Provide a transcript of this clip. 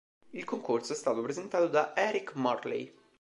Il concorso è stato presentato da Eric Morley.